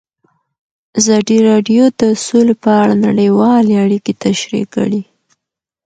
ازادي راډیو د سوله په اړه نړیوالې اړیکې تشریح کړي.